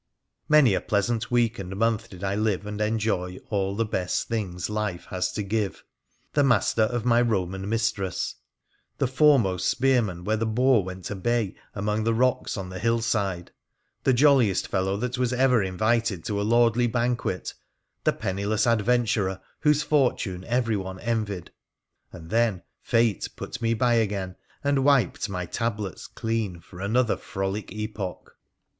Many a pleasant week and month did I live and enjoy all the best things life has to give : the master of my Eoman mistress ; the foremost spearman where the boar went to bay among the rocks on the hill side ; the j oiliest fellow that was ever invited to a lordly banquet ; the penniless adventurer whose fortune every one envied — and then fate put me by again, and wiped my tablets clean for another frolic epoch.